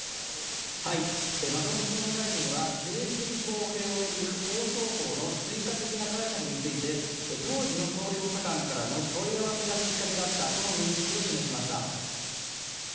松本総務大臣は政治的公平を巡る放送法の追加的な解釈について、当時の総理の補佐官からの問い合わせがきっかけだったとの認識を示しました。